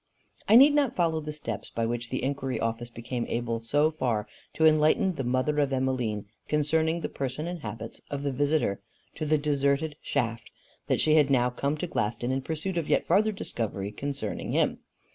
I need not follow the steps by which the inquiry office became able so far to enlighten the mother of Emmeline concerning the person and habits of the visitor to the deserted shaft, that she had now come to Glaston in pursuit of yet farther discovery concerning him.